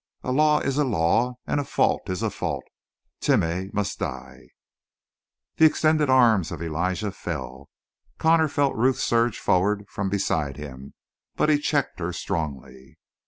A law is a law and a fault is a fault. Timeh must die!" The extended arms of Elijah fell. Connor felt Ruth surge forward from beside him, but he checked her strongly.